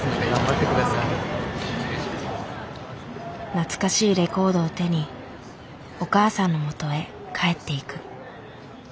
懐かしいレコードを手にお母さんのもとへ帰っていく。